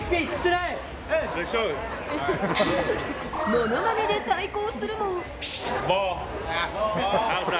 ものまねで対抗するも。